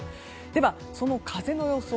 では、その風の予想